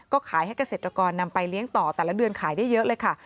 ก็ขายให้เกษตรกรนำไปเลี้ยงต่อแต่ละเดือนขายได้เยอะเลยค่ะ